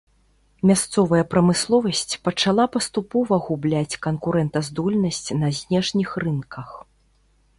Мясцовая прамысловасць пачала паступова губляць канкурэнтаздольнасць на знешніх рынках.